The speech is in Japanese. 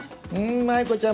舞子ちゃん